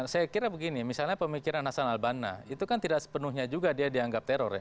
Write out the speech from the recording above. saya kira begini misalnya pemikiran hasan albana itu kan tidak sepenuhnya juga dia dianggap teror ya